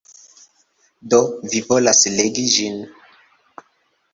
Do, mi volas legi ĝin!